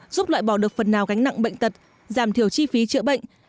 giúp loại bỏ được phần nào gánh nặng bệnh tật giảm thiểu chi phí chữa bệnh